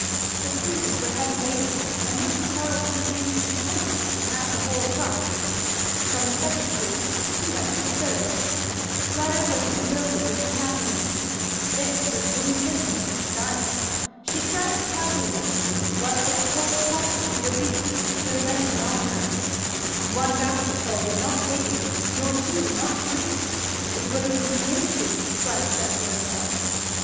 The trees were heavy laden and Mr. Carleton seemed determined to have the whole crop; from the second tree he went to the third. Fleda was bewildered with her happiness; this was doing business in style. She tried to calculate what the whole quantity would be, but it went beyond her; one basketful would not take it, nor two, not three, it wouldn't begin to, Fleda said to herself.